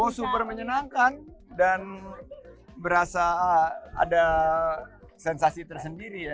oh super menyenangkan dan berasa ada sensasi tersendiri ya